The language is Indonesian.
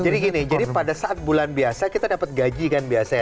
jadi gini jadi pada saat bulan biasa kita dapet gaji kan biasa ya